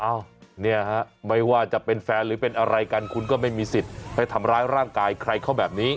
เนี่ยฮะไม่ว่าจะเป็นแฟนหรือเป็นอะไรกันคุณก็ไม่มีสิทธิ์ไปทำร้ายร่างกายใครเขาแบบนี้